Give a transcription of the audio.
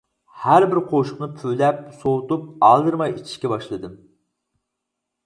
ھەر بىر قوشۇقنى پۈۋلەپ سوۋۇتۇپ، ئالدىرىماي ئىچىشكە باشلىدىم.